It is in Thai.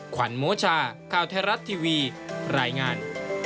ขวัญโมชาข่าวไทยรัฐทีวีรายงาน